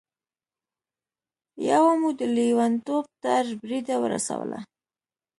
يوه مو د لېونتوب تر بريده ورسوله.